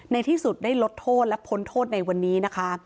ในที่สุดได้ลดโทษและพ้นโทษในวันนี้นะคะ